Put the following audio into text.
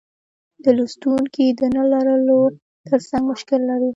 د لوستونکیو د نه لرلو ترڅنګ مشکل لرو.